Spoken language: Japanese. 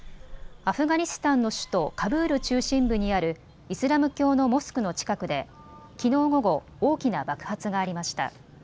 アフガニスタンの首都カブール中心部にあるイスラム教のモスクの近くできのう午後、大きな爆発がありました。